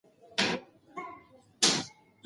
ښځې په خپل زړه کې د کبابو د هر سیخ قیمت اټکل کاوه.